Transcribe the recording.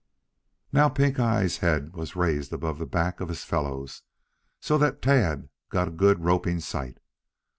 Now Pink eye's head was raised above the back of his fellows so that Tad got a good roping sight.